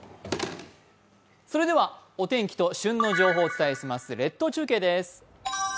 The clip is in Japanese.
それではお天気と旬の情報をお伝えします、列島中継です。